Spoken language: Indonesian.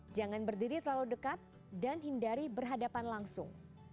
jangan berdiri terlalu dekat dan hindari berhadapan langsung